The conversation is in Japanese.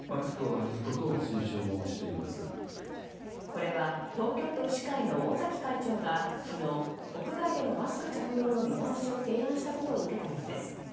これは東京都医師会の尾崎会長が昨日、屋外でのマスク着用の見直しを提案したことを受けたものです。